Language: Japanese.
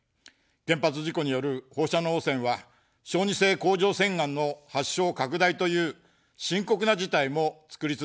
原発事故による放射能汚染は、小児性甲状腺がんの発症、拡大という深刻な事態も作り続けています。